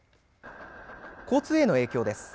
交通への影響です。